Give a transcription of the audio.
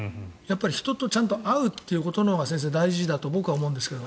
人とちゃんと会うということのほうが大事だと僕は思うんですが。